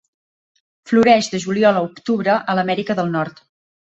Floreix de juliol a octubre a l'Amèrica del Nord.